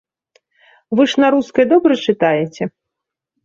Вы ж на рускай добра чытаеце?